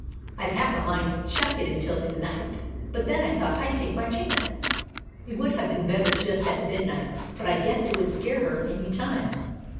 I'd half a mind to chuck it until to night, but then I thought I'd take my chance. It would have been better just at midnight, but I guessed it would scare her any time.